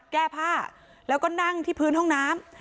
แก้ผ้าแล้วก็นั่งที่พื้นห้องน้ำ